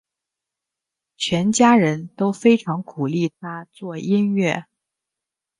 全家人都非常鼓励他做音乐。